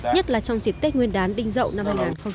nhất là trong dịp tết nguyên đán đinh dậu năm hai nghìn một mươi bảy